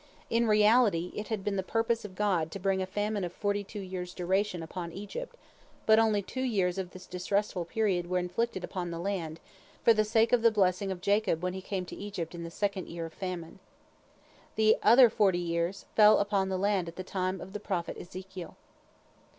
In reality, it had been the purpose of God to bring a famine of forty two years' duration upon Egypt, but only two years of this distressful period were inflicted upon the land, for the sake of the blessing of Jacob when he came to Egypt in the second year of the famine. The other forty years fell upon the land at the time of the prophet Ezekiel.